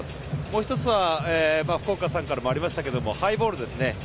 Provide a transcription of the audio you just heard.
もう１つは、福岡さんからもありましたけどもハイボールですね。